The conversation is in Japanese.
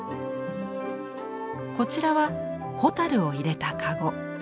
こちらは蛍を入れたかご。